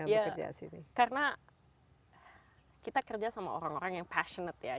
ya karena kita kerja sama orang orang yang penasaran ya